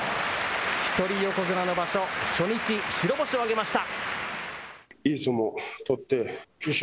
一人横綱の場所、初日白星を挙げました。